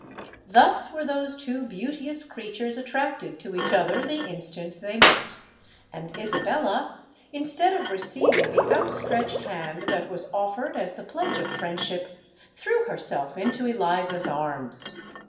Thus were those two beauteous creatures attracted to each other the instant they met; and Isabella, instead of receiving the out stretched hand that was offered as the pledge of friendship, threw herself into Eliza's arms.